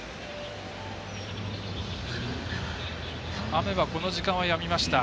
雨がこの時間はやみました。